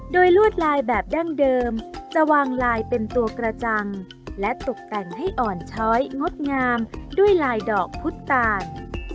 โดยลวดลายแบบดั้งเดิมจะวางลายเป็นตัวกระจังและตกแต่งให้อ่อนช้อยงดงามด้วยลายดอกพุทธตาล